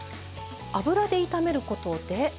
油で炒めることで。